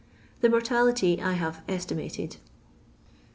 The mortality I have estimated.